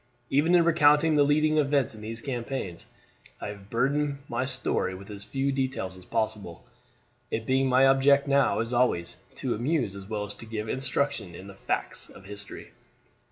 Even in recounting the leading events in these campaigns, I have burdened my story with as few details as possible, it being my object now, as always, to amuse as well as to give instruction in the facts of history.